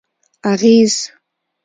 اغېز: